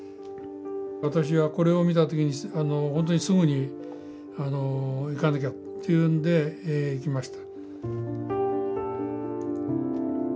私はこれを見た時に本当にすぐに行かなきゃというので行きました。